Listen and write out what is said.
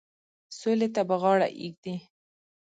سولي ته به غاړه ایږدي.